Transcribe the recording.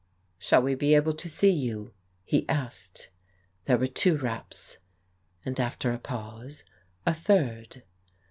"Shall we be able to see you?" he asked. There were two raps, and, after a pause, a third.